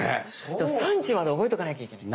でも産地まで覚えとかなきゃいけない。